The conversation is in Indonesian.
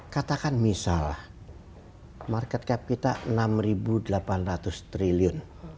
katakan misal market cap kita rp enam delapan ratus triliun